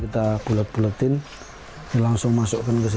kita bulat buletin langsung masukkan ke sini